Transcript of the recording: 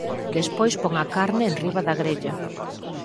Despois pon a carne enriba da grella.